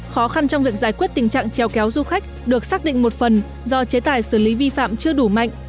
khó khăn trong việc giải quyết tình trạng trèo kéo du khách được xác định một phần do chế tài xử lý vi phạm chưa đủ mạnh